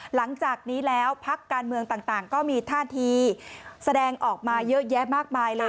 หลังจากนี้แล้วพักการเมืองต่างก็มีท่าทีแสดงออกมาเยอะแยะมากมายเลย